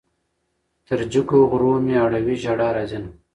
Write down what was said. تر جګو غرو مې اړوي ژړا راځينه